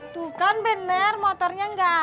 tuh kan bener motornya gak ada ma